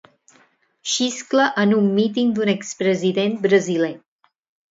Xiscla en un míting d'un ex president brasiler.